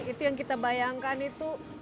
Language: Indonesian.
itu yang kita bayangkan itu